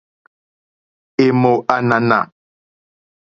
È mò ànànà.